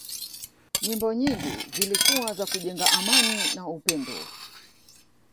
nyimbo nyingi zilikuwa za kujenga amani na upendo